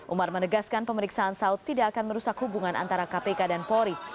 umar menegaskan pemeriksaan saud tidak akan merusak hubungan antara kpk dan polri